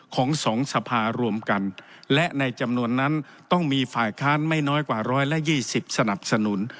ของสองสภารวมกันและในจำนวนนั้นต้องมีฝ่ายค้านไม่น้อยกว่า๑๒๐สนับสนุน